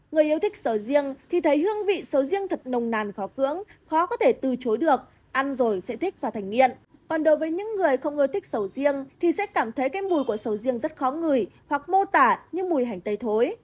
người yêu thích sầu riêng thì thấy hương vị sầu riêng thật nồng nàn khó cưỡng khó có thể từ chối được ăn rồi sẽ thích và thành nghiện còn đối với những người không ưa thích sầu riêng thì sẽ cảm thấy cái mùi của sầu riêng rất khó ngửi hoặc mô tả như mùi hành tây thối